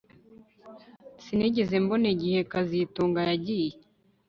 Sinigeze mbona igihe kazitunga yagiye